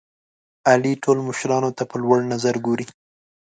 علي ټول مشرانو ته په لوړ نظر ګوري.